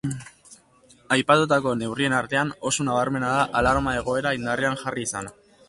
Aipatutako neurrien artean, oso nabarmena da alarma-egoera indarrean jarri izana.